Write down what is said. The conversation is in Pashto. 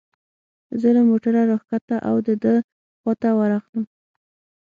زه له موټره را کښته او د ده خواته ورغلم.